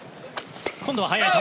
今度は速い球。